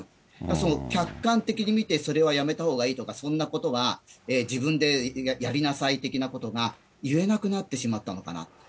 その客観的に見て、それはやめたほうがいいとか、そんなことは自分でやりなさい的なことが言えなくなってしまったのかな。